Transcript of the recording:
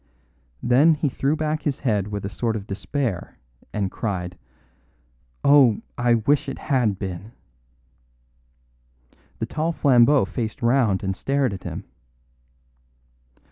Then he threw back his head with a sort of despair and cried: "Oh, I wish it had been." The tall Flambeau faced round and stared at him.